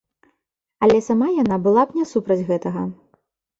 Але сама яна была б не супраць гэтага.